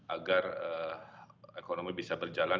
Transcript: agar ekonomi bisa berjalan